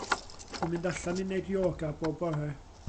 Dw i'n mynd allan i neud yoga bob bora.